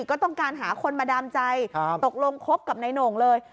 ก็ต้องการหาคนมาดามใจตกลงคบกับนายโหน่งเลย